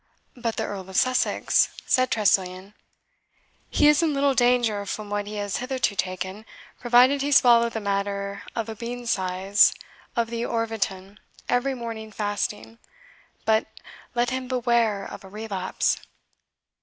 "But the Earl of Sussex?" said Tressilian. "He is in little danger from what he has hitherto taken, provided he swallow the matter of a bean's size of the orvietan every morning fasting; but let him beware of a relapse."